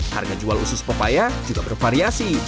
harga jual usus pepaya juga bervariasi